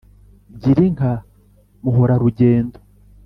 gira inka muhora-rugendo